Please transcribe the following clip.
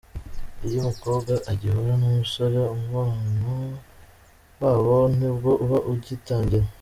Iyo umukobwa agihura n’umusore, umubano wabo nibwo uba ugitangira.